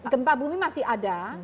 gempa bumi masih ada